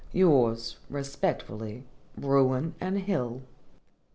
Yours, respectfully, BRUIN & HILL.